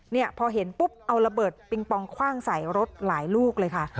เนี่ยพอเห็นปุ๊บเอาระเบิดปิงปองคว่างใส่รถหลายลูกเลยค่ะ